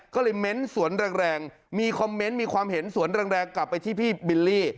ก็เลยเม้นสวนแรงมีคอมเมนต์มีความเห็นสวนแรงกลับไปที่พี่บิลลี่